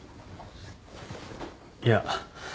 いや。